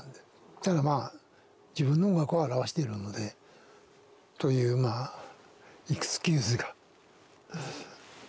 ただまあ自分の音楽を表しているのでというまあエクスキューズがあるかな。